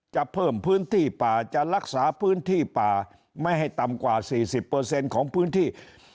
จะเพิ่มพื้นที่ป่าจะรักษาพื้นที่ป่าไม่ให้ต่ำกว่า๔๐ของพื้นที่